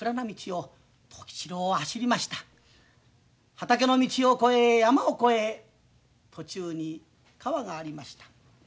畑の道を越え山を越え途中に川がありました。